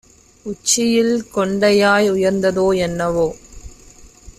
உச்சியில் கொண்டையாய் உயர்ந்ததோ என்னவோ!